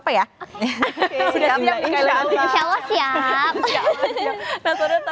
masya allah kegiatan cr quran